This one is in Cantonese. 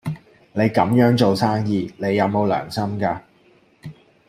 你咁樣做生意，你有冇良心㗎？